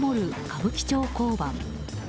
歌舞伎町交番。